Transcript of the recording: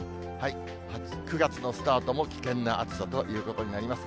９月のスタートも危険な暑さということになります。